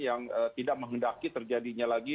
yang tidak menghendaki terjadinya lagi